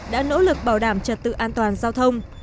đã nỗ lực bảo đảm trật tự an toàn giao thông